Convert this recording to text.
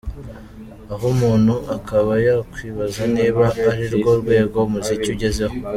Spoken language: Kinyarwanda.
Aha umuntu akaba yakwibaza niba arirwo rwego umuziki ugezeho.